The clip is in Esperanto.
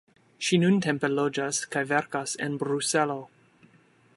Ŝi nuntempe loĝas kaj verkas en Bruselo.